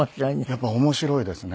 やっぱり面白いですね。